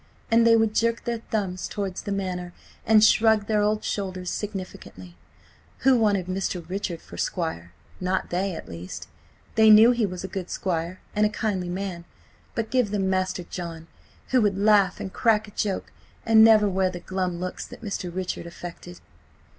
And they would jerk their thumbs towards the Manor and shrug their old shoulders significantly. Who wanted Mr. Richard for squire? Not they, at least. They knew he was a good squire and a kindly man, but give them Master John, who would laugh and crack a joke and never wear the glum looks that Mr. Richard affected.